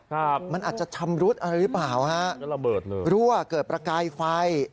ครับมันอาจจะชำรุดอะไรหรือเปล่าฮะรั่วเกิดประกายไฟ